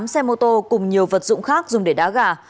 hai mươi tám xe mô tô cùng nhiều vật dụng khác dùng để đá gà